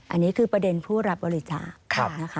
อันนี้คือประเด็นผู้รับบริจาคนะคะ